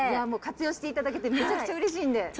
もう活用していただけてめちゃくちゃうれしいんで。